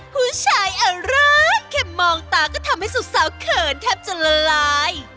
ผู้ชายอะไรแค่มองตาก็ทำให้สุดสาวเขินแทบจะละลาย